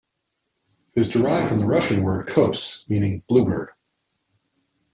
It is derived from Russian word "kos" meaning bluebird.